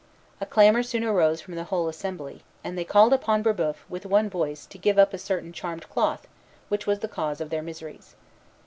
A clamor soon arose from the whole assembly, and they called upon Brébeuf with one voice to give up a certain charmed cloth which was the cause of their miseries.